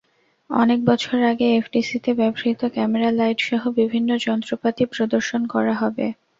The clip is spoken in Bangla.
অনেক বছর আগে এফডিসিতে ব্যবহূত ক্যামেরা, লাইটসহ বিভিন্ন যন্ত্রপাতি প্রদর্শন করা হবে।